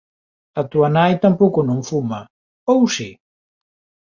_A túa nai tampouco non fuma... ¿ou si?